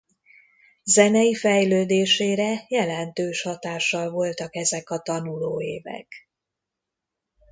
Zenei fejlődésére jelentős hatással voltak ezek a tanulóévek.